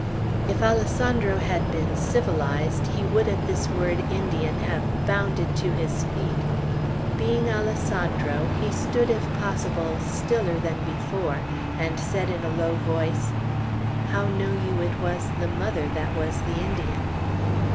If Alessandro had been civilized, he would at this word "Indian" have bounded to his feet. Being Alessandro, he stood if possible stiller than before, and said in a low voice, "How know you it was the mother that was the Indian?"